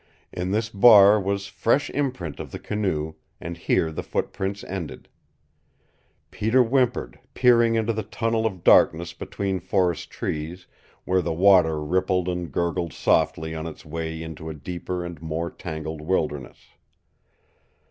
In this bar was fresh imprint of the canoe, and here the footprints ended. Peter whimpered, peering into the tunnel of darkness between forest trees, where the water rippled and gurgled softly on its way into a deeper and more tangled wilderness.